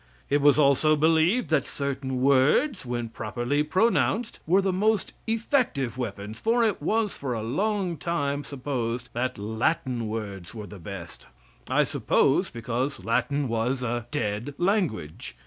It was also believed that certain words, when properly pronounced, were the most effective weapons, for it was for a long time supposed that Latin words were the best, I suppose because Latin was a dead language.